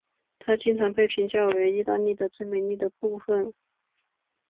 它经常被评价为意大利的最美丽的部分。